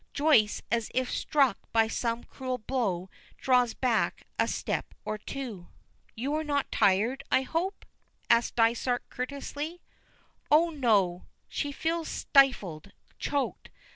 Joyce, as if struck by some cruel blow, draws back a step or two. "You are not tired, I hope?" asks Dysart courteously. "Oh, no." She feels stifled; choked.